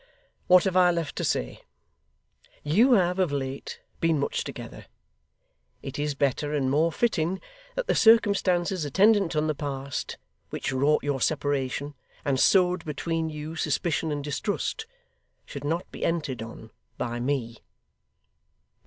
What have I left to say? You have, of late, been much together. It is better and more fitting that the circumstances attendant on the past, which wrought your separation, and sowed between you suspicion and distrust, should not be entered on by me.